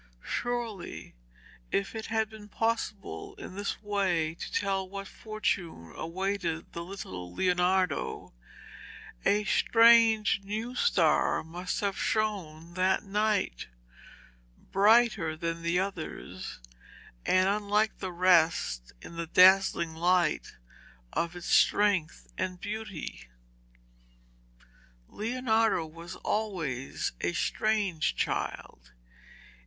Surely if it had been possible in this way to tell what fortune awaited the little Leonardo, a strange new star must have shone that night, brighter than the others and unlike the rest in the dazzling light of its strength and beauty. Leonardo was always a strange child.